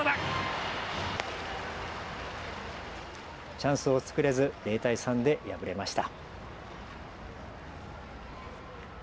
チャンスを作れず０対３で敗れました。